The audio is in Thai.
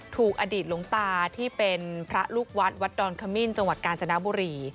ถูกอดีตหลวงตาที่เป็นพระลูกวัดวัดดอนขมิ้นจังหวัดกาญจนบุรี